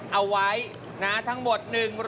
เอาไว้ทั้งหมด